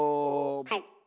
はい。